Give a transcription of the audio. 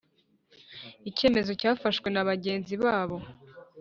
icyemezo cyafashwe na bagenzi babo